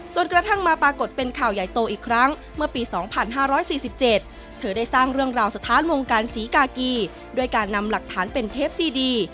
กระทั่งมาปรากฏเป็นข่าวใหญ่โตอีกครั้งเมื่อปี๒๕๔๗เธอได้สร้างเรื่องราวสถานวงการศรีกากีด้วยการนำหลักฐานเป็นเทปซีดี